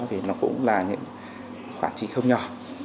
thì nó cũng là những khoản trí không nhỏ